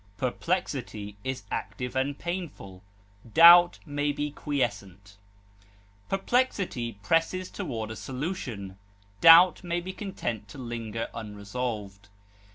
Perplexity is active and painful; doubt may be quiescent. Perplexity presses toward a solution; doubt may be content to linger unresolved.